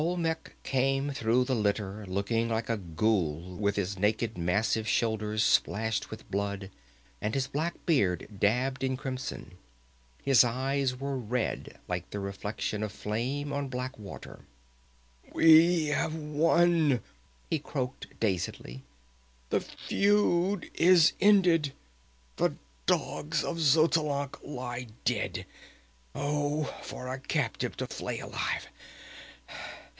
Olmec came through the litter, looking like a ghoul with his naked massive shoulders splashed with blood, and his black beard dabbled in crimson. His eyes were red, like the reflection of flame on black water. "We have won!" he croaked dazedly. "The feud is ended! The dogs of Xotalanc lie dead! Oh, for a captive to flay alive!